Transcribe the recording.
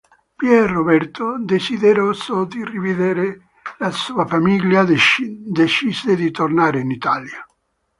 Pier Roberto, desideroso di rivedere la sua famiglia, decise di tornare in Italia.